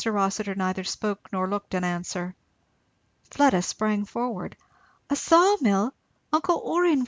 Rossitur neither spoke nor looked an answer. Fleda sprang forward. "A saw mill! Uncle Orrin!